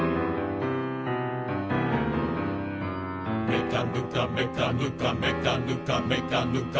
「めかぬかめかぬかめかぬかめかぬか」